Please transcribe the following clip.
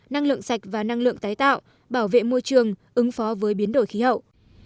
năng lượng sạch và năng lượng tái tạo bảo vệ môi trường ứng phó với biến đổi khí hậu